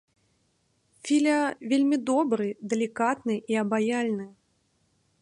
Філя вельмі добры, далікатны і абаяльны.